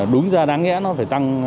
đúng ra đáng nghĩa nó phải tăng